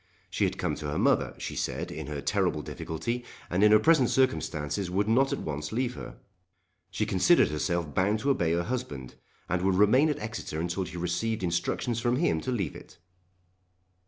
She had come to her mother, she said, in her terrible difficulty, and in her present circumstances would not at once leave her. She considered herself bound to obey her husband, and would remain at Exeter until she received instructions from him to leave it.